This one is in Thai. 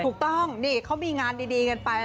ถูกต้องนี่เขามีงานดีกันไป